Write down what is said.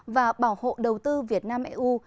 và bảo hộ đầu tư việt nam eu